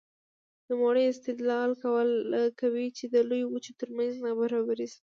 نوموړی استدلال کوي چې د لویو وچو ترمنځ نابرابري شته.